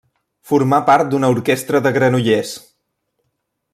Formà part d'una orquestra de Granollers.